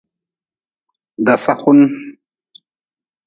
Dasakun.